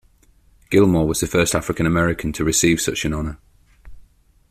Gilmore was the first African American to receive such an honor.